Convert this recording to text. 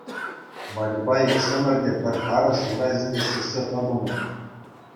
Вальӑпа иксӗмӗр те пӗр харӑс ура ҫине сиксе тӑтӑмӑр.